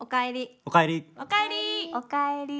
おかえり。